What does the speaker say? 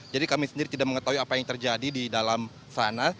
jadi kami sendiri tidak mengetahui apa yang terjadi di dalam sana